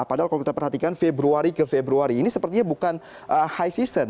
padahal kalau kita perhatikan februari ke februari ini sepertinya bukan high season